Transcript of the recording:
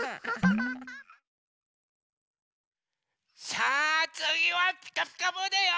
さあつぎは「ピカピカブ！」だよ。